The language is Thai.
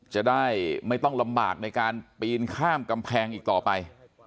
จะได้ไม่ต้องลำบากในการปีนข้ามกำแพงอีกต่อไป